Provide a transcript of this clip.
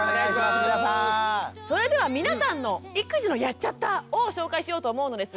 それでは皆さんの育児の「やっちゃった！」を紹介しようと思うのですが。